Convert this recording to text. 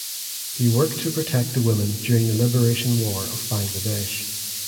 He worked to protect the women during the Liberation War of Bangladesh.